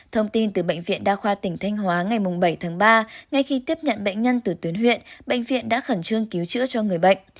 thông tin từ bệnh viện đa khoa tỉnh thanh hóa ngày bảy tháng ba ngay khi tiếp nhận bệnh nhân từ tuyến huyện bệnh viện đã khẩn trương cứu chữa cho người bệnh